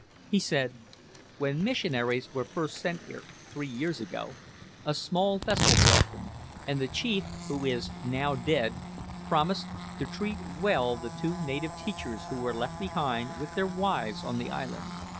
He said: "When missionaries were first sent here, three years ago, a small vessel brought them; and the chief, who is now dead, promised to treat well the two native teachers who were left with their wives on the island.